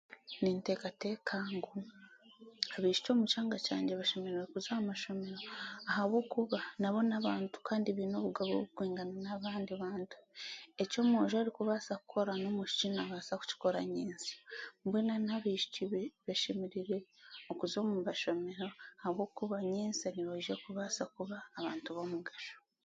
Nintekateka ngu abaisihiki omu kyanga kyangye bashemereire kuza ahamashomero ahabw'okuba nabo n'abaantu kandi beine obugabo burikwingana n'abaandi bantu, eki omwojjo arikubaasa kukora, n'omwishiiki nabaasa kukikora nyensya mbwenu n'abaishiki b'ashemereire okuza omumashomero ahabw'okuba nyensya nibeija kubasa kuba abaantu b'omugasho.